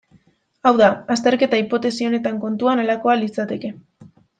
Hau da, azterketa hipotesi honetan kontua halakoa litzateke.